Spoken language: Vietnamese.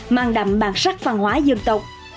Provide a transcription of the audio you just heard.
mang đậm bản sắc văn hóa dân tộc